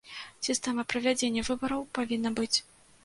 Сістэма правядзення выбараў павінна быць.